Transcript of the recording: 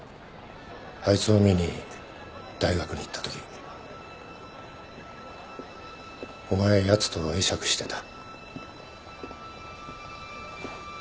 あいつを見に大学に行ったときお前はやつと会釈してた。